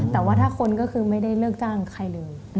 แต่ว่าถ้าคนก็คือไม่ได้เลิกจ้างใครเลย